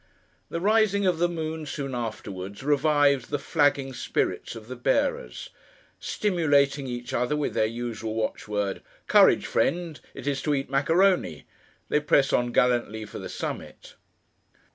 The rising of the moon soon afterwards, revives the flagging spirits of the bearers. Stimulating each other with their usual watchword, 'Courage, friend! It is to eat macaroni!' they press on, gallantly, for the summit.